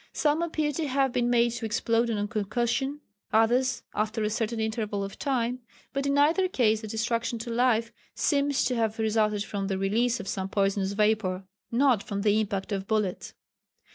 Some appear to have been made to explode on concussion, others after a certain interval of time, but in either case the destruction to life seems to have resulted from the release of some poisonous vapour, not from the impact of bullets.